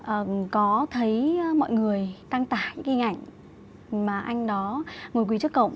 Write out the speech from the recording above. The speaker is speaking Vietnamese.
anh đó thấy mọi người tăng tải những hình ảnh mà anh đó ngồi quỳ trước cổng